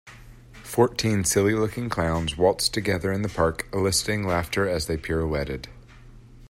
Fourteen silly looking clowns waltzed together in the park eliciting laughter as they pirouetted.